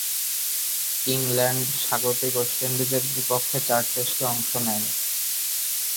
England স্বাগতিক West ইন্ডিজের বিপক্ষে চার টেস্টে অংশ নেয়।